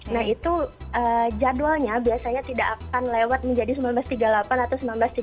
nah itu jadwalnya biasanya tidak akan lewat menjadi seribu sembilan ratus tiga puluh delapan atau seribu sembilan ratus tiga puluh